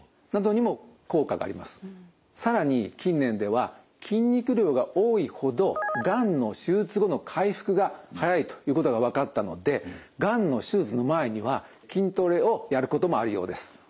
更に近年では筋肉量が多いほどがんの手術後の回復がはやいということが分かったのでがんの手術の前には筋トレをやることもあるようです。